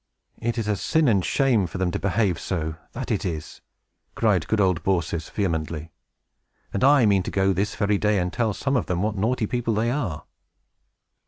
"It is a sin and shame for them to behave so, that it is!" cried good old Baucis, vehemently. "And I mean to go this very day, and tell some of them what naughty people they are!"